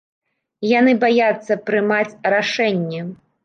Яны баяцца прымаць рашэнне.